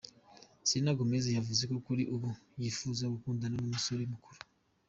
Selena Gomez yavuze ko kuri ubu yifuza gukundana n’umusore mukuru.